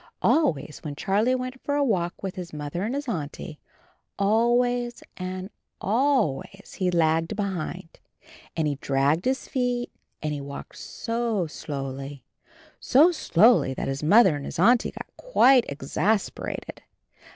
Always when Charlie went for a walk with his Mother and his Auntie, always and always he lagged behind, and he dragged his feet, and he walked so slowly, so slowly, that his 39 40 CHARLIE Mother and his Auntie got quite ex as per a ted.